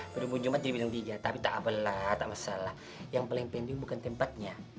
baru jumat jadi bintang tiga tapi tak apalah tak masalah yang paling penting bukan tempatnya